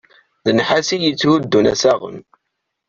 D nnḥas i yetthuddun assaɣen.